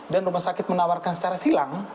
dan rumah sakit menawarkan secara silang